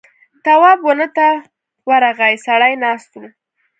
تواب ونه ته ورغی سړی ناست و.